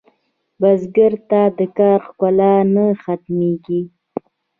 بزګر ته د کار ښکلا نه ختمېږي